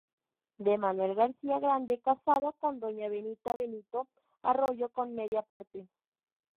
D. Manuel García Grande casado con doña Benita Benito Arroyo con media parte.